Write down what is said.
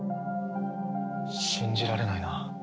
信じられないな。